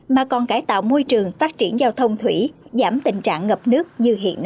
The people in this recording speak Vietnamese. mà còn cải tạo môi trường phát triển giao thông thủy giảm tình trạng ngập nước như hiện nay